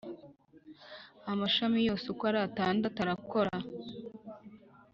Amashami yose uko ari atandatu arakora